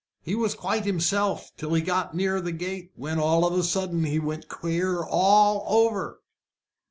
He was quite himself till he got near the gate, when all of a sudden he went queer all over."